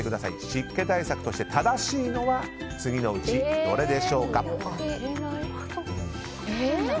湿気対策として正しいのは次のうちどれでしょうか？